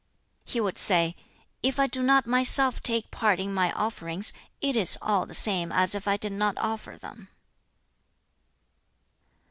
He would say, "If I do not myself take part in my offerings, it is all the same as if I did not offer them."